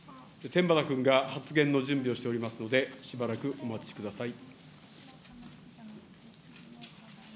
天畠君が発言の準備をしておりますので、しばらくお待ちください。